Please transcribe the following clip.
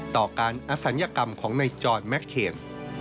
ต่อการอสัญกรรมของในจอร์ดแม็คเคน